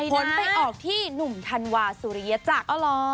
ผลไปออกที่หนุ่มธันวาสุริยจักร